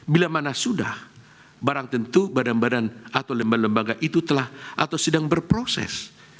bila mana sudah barang tentu badan badan atau lembaga lembaga itu telah atau sedang berproses